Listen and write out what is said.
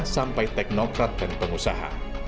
sampai teknokrat dan pengusaha